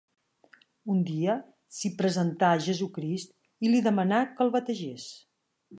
Un dia, s'hi presentà Jesucrist i li demanà que el bategés.